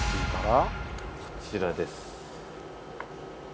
こちらです。